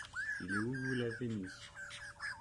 Il est où vous l'avez mis.